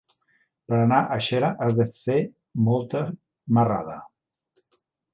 Per anar a Xera has de fer molta marrada.